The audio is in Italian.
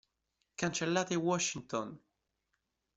Cancellate Washington!